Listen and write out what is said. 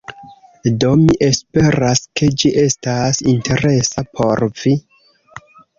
Do, mi esperas, ke ĝi estas interesa por vi